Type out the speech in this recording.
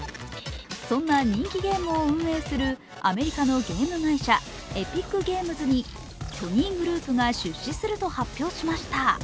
そんな人気ゲームを運営するアメリカのゲーム会社、ＥｐｉｃＧａｍｅｓにソニーグループが出資すると発表しました。